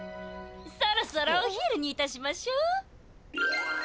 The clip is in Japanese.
そろそろお昼にいたしましょう。